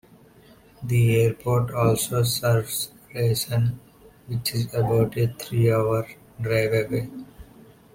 The airport also serves Rason, which is about a three-hour drive away.